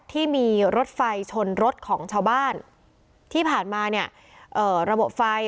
ที่มีรถไฟชนรถของชาวบ้านที่ผ่านมาเนี่ยเอ่อระบบไฟ